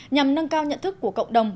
nhằm nâng cao nhận thức của cộng đồng